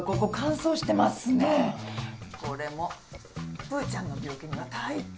これもプーちゃんの病気には大敵。